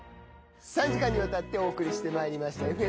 ３時間にわたってお送りしてまいりました